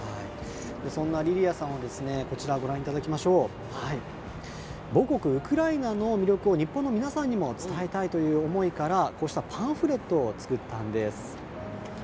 そんなリリアさんは母国ウクライナの魅力を日本の皆さんにも伝えたいという思いからこうしたパンフレットを作ったんです。